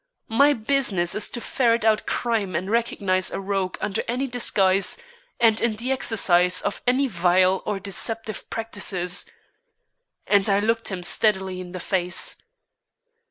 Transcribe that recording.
My business is to ferret out crime and recognize a rogue under any disguise and in the exercise of any vile or deceptive practices." And I looked him steadily in the face.